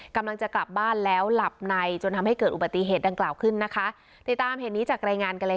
กำลังจะกลับบ้านแล้วหลับในจนทำให้เกิดอุบัติเหตุดังกล่าวขึ้นนะคะ